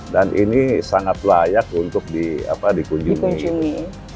dan ini sangat layak untuk dikunjungi